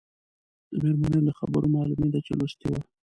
د مېرمنې له خبرو معلومېده چې لوستې وه.